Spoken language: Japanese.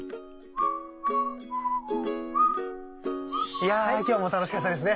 いや今日も楽しかったですね。